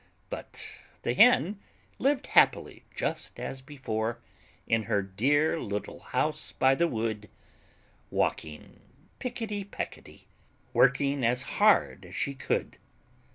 But the Hen lived happily, just as before, In her dear little house by the wood, Walking picketty pecketty, Working as hard as she could.